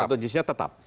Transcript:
status jisinya tetap